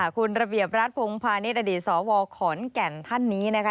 คุณระเบียบรัฐพงพาณิชย์อดีตสวขอนแก่นท่านนี้นะคะ